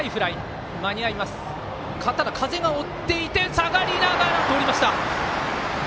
下がりながらとりました。